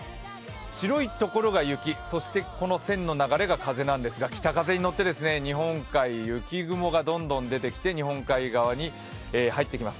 白いところが雪、この線の流れが風なんですが、北風に乗って日本海、雪雲がどんどん出てきて日本海側に入ってきます。